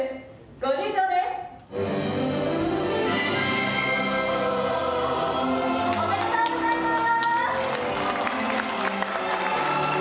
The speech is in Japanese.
・おめでとうございます！